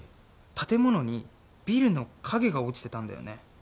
建物にビルの影が落ちてたんだよね。